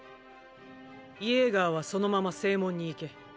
イェーガーはそのまま正門に行け。